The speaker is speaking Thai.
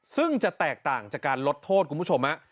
ซึ่งจะแตกต่างจากการลดโทษคุณผู้ชม